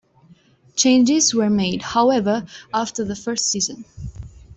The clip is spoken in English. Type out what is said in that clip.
Changes were made, however, after the first season.